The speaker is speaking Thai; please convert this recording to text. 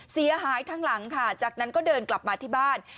เสียหายทั้งหลังค่ะจากนั้นก็เดินกลับมาที่บ้าน